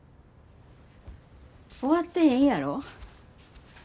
終わってへんやろ。